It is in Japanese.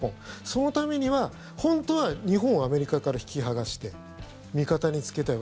そのためには本当は日本をアメリカから引き剥がして味方につけたい。